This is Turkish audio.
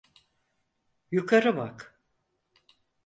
Yukarı bak!